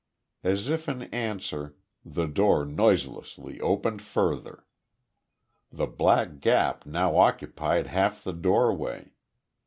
As if in answer, the door noiselessly opened further. The black gap now occupied half the doorway.